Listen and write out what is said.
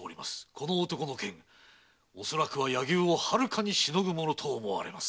この男の剣恐らくは柳生をはるかに凌ぐものと思われます。